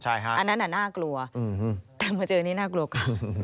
อันนั้นน่ากลัวแต่มาเจอนี่น่ากลัวก่อน